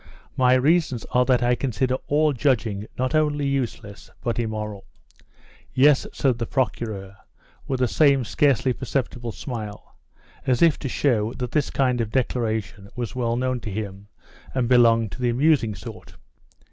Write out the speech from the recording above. "My reasons are that I consider all judging not only useless, but immoral." "Yes," said the Procureur, with the same scarcely perceptible smile, as if to show that this kind of declaration was well known to him and belonged to the amusing sort.